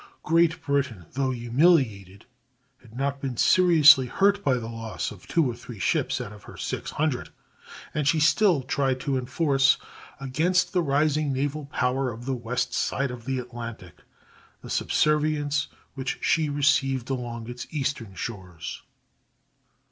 Great Britain, though humiliated, had not been seriously hurt by the loss of two or three ships out of her six hundred, and she still tried to enforce against the rising naval power on the west side of the Atlantic the subservience which she received along its eastern shores.